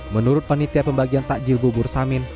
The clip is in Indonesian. menurut panitia pembagian takjil bubur samin